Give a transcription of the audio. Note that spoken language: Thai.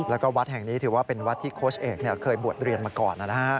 แล้วก็วัดแห่งนี้ถือว่าเป็นวัดที่โค้ชเอกเคยบวชเรียนมาก่อนนะฮะ